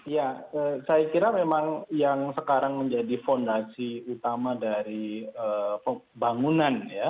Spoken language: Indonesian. ya saya kira memang yang sekarang menjadi fondasi utama dari pembangunan ya